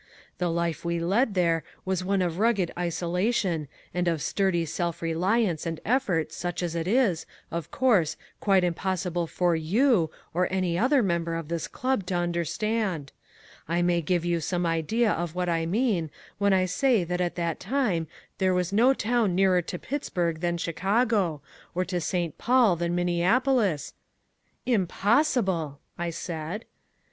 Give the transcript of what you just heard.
The life we led there was one of rugged isolation and of sturdy self reliance and effort such as it is, of course, quite impossible for YOU, or any other member of this club to understand, I may give you some idea of what I mean when I say that at that time there was no town nearer to Pittsburgh than Chicago, or to St. Paul than Minneapolis " "Impossible!" I said.